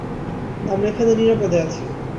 আমরা এখানে নিরাপদে আছি।